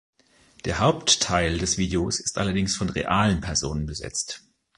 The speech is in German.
Der Hauptteil des Videos ist allerdings von realen Personen besetzt.